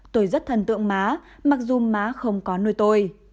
tôi rất thần tượng má mặc dù má không có nuôi tôi